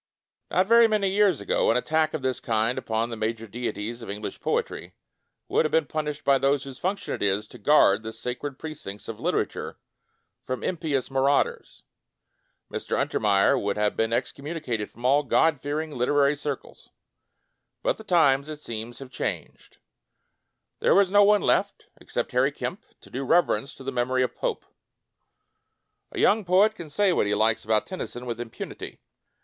Not very many years ago, an attack of this kind upon the major deities of English poetry would have been pun ished by those whose function it is to guard the sacred precincts of litera ture from impious marauders. Mr. Untermeyer would have been excom municated from all God fearing liter ary circles. ... But the times, it seems, have changed. There is no one left, except Harry Kemp, to do rever ence to the memory of Pope. A young poet can say what he likes about Tennyson with impunity.